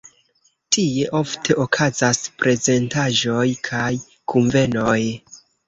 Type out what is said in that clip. Tie ofte okazas prezentaĵoj kaj kunvenoj.